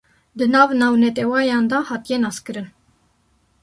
di nav navnetewayan de hatiye naskirin